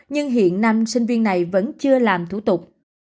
nhưng hiện năm sinh viên này vẫn chưa làm thủ tục